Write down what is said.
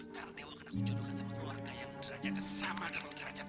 karena dewo akan aku jodohkan sama keluarga yang derajatnya sama dalam kerajatku